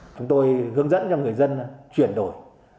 chúng tôi hướng dẫn cho người dân chuyển đổi